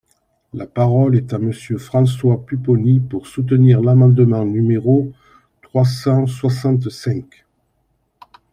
La parole est à Monsieur François Pupponi, pour soutenir l’amendement numéro trois cent soixante-cinq.